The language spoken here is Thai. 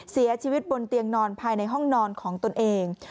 เสียชีวิตบนเตียงนอนภายในห้องนอนของตนเอง